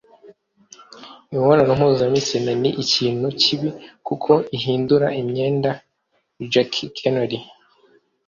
imibonano mpuzabitsina ni ikintu kibi kuko ihindura imyenda - jackie kennedy